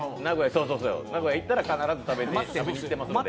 名古屋行ったら、必ず食べにいってますので。